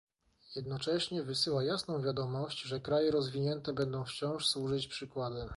Jednocześnie wysyła jasną wiadomość, że kraje rozwinięte będą wciąż służyć przykładem